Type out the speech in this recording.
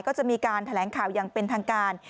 ก็จะมีการแถลงข่าวอย่างเป็นทางการ